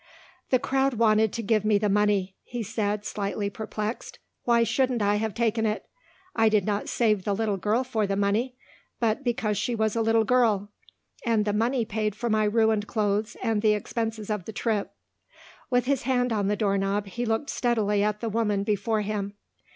"The crowd wanted to give me the money," he said, slightly perplexed. "Why shouldn't I have taken it? I did not save the little girl for the money, but because she was a little girl; and the money paid for my ruined clothes and the expenses of the trip." With his hand on the doorknob he looked steadily at the woman before him.